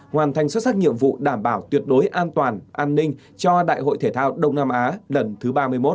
hoàn thành xuất sắc nhiệm vụ đảm bảo tuyệt đối an toàn an ninh cho đại hội thể thao đông nam á lần thứ ba mươi một